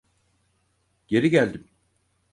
Geri geldim.